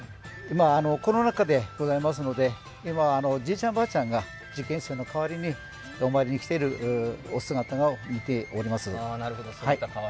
コロナ禍でございますので、じいちゃん、ばあちゃんが受験生の代わりにお参りに来ているお姿を見ております。